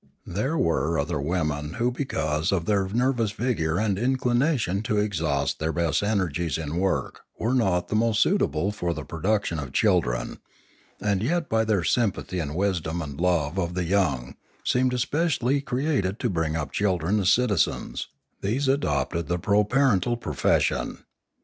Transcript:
There were other women who because of their nervous vigour and inclination to exhaust their best energies in work were not the most suitable for the production of children, and yet by their sympathy and wisdom and love of the young seemed especially created to bring up children as citizens; these adopted the proparental profession.